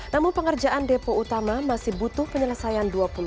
namun pengerjaan depo utama masih butuh penyelesaian